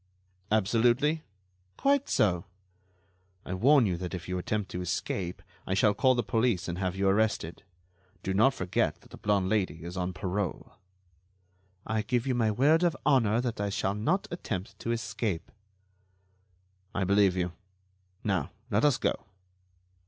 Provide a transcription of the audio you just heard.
"Absolutely?" "Quite so." "I warn you that if you attempt to escape, I shall call the police and have you arrested. Do not forget that the blonde Lady is on parole." "I give you my word of honor that I shall not attempt to escape." "I believe you. Now, let us go."